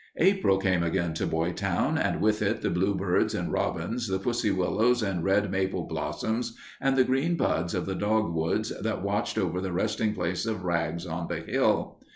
April came again to Boytown, and with it the bluebirds and robins, the pussy willows and red maple blossoms, and the green buds of the dogwoods that watched over the resting place of Rags on the hill.